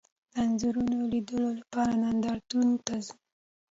د انځورونو لیدلو لپاره نندارتون ته ځم